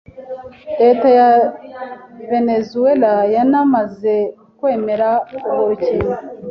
leta ya Venezuela yanamaze kwemera urwo rukingo